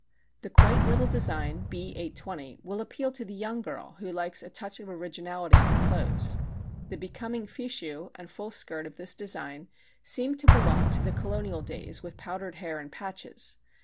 The quaint little design B 820 will appeal to the young girl who likes a touch of originality in her clothes. The becoming fichu and full skirt of this design seem to belong to the Colonial days with powdered hair and patches.